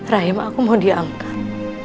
rahim aku mau diangkat